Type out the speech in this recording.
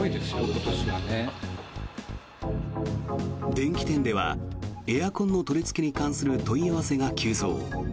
電器店ではエアコンの取りつけに関する問い合わせが急増。